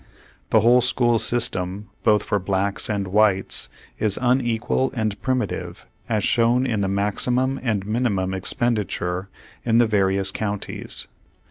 The whole school system both for blacks and whites is unequal and primitive, as shown in the maximum and minimum expenditure in the various counties.